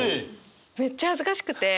めっちゃ恥ずかしくて。